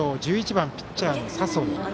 １１番ピッチャーの佐宗。